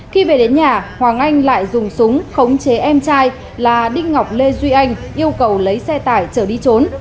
khi về đến nhà hoàng anh lại dùng súng khống chế em trai là đinh ngọc lê duy anh yêu cầu lấy xe tải chở đi trốn